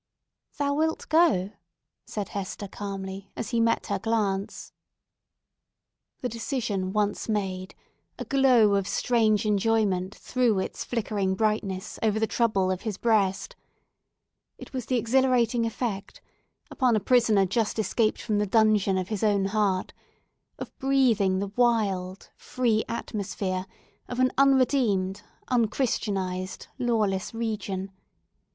"Thou wilt go!" said Hester calmly, as he met her glance. The decision once made, a glow of strange enjoyment threw its flickering brightness over the trouble of his breast. It was the exhilarating effect—upon a prisoner just escaped from the dungeon of his own heart—of breathing the wild, free atmosphere of an unredeemed, unchristianised, lawless region.